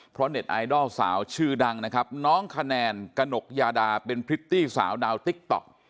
เพราะเน็ตไอดอลสาวชื่อดังนะครับน้องคะแนนกระหนกยาดาเป็นพริตตี้สาวดาวติ๊กต๊อก